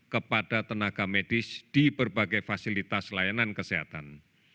kepada tenaga medis di berbagai fasilitas layanan kesehatan